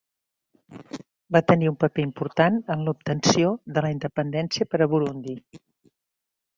Va tenir un paper important en l'obtenció de la independència per a Burundi.